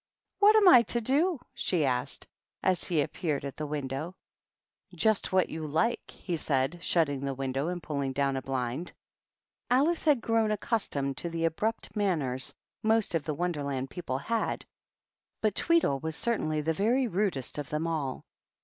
" What am I to do ?" she asked, as he appears at the window. "Just what you like," he said, shutting th window and pulling down a blind. Alice had grown accustomed to the abru] manners most of the Wonderland people had, bi Tweedle was certainly the very rudest of the all.